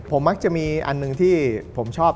ผมมักจะมีอันหนึ่งที่ผมชอบ